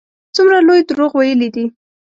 څومره لوی دروغ ویلي دي.